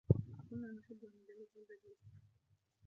كنّا نحبّ المدرّس البديل.